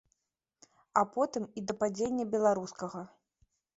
А потым і да падзення беларускага.